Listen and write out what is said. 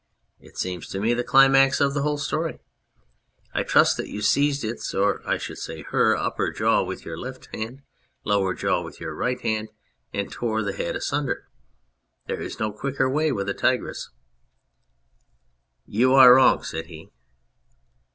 " It seems to me the climax of the whole story. I trust that you seized its or I should say her upper jaw with your left hand, lower jaw with your right hand, and tore the head asunder. There is no quicker way with a tigress." " You are wrong," said he.